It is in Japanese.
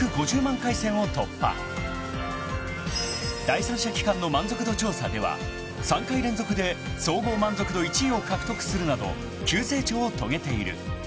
［第三者機関の満足度調査では３回連続で総合満足度１位を獲得するなど急成長を遂げている］